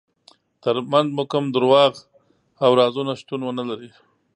ترمنځ مو کوم دروغ او رازونه شتون ونلري.